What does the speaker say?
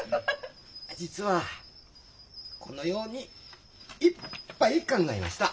実はこのようにいっぱい考えました。